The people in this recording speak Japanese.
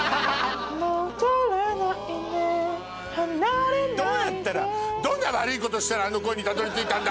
戻れないね離れないでどんな悪いことしたらあの声にたどり着いたんだ？